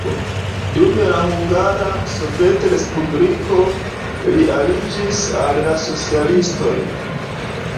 Dum la Hungara Sovetrespubliko li aliĝis al la socialistoj.